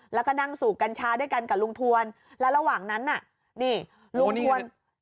แล้วก็นั่งสูบกัญชาด้วยกันกับลุงทวนแล้วระหว่างนั้นน่ะนี่ลุงทวน